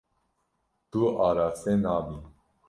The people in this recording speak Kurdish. Tu araste nabî.